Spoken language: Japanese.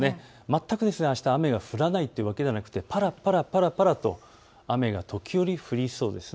全くあしたは雨が降らないということではなくぱらぱらと雨が時折降りそうです。